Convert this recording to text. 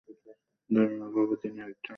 ধর্মীয়ভাবে তিনি একজন Roman Catholic.